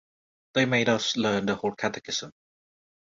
They made us learn the whole catechism.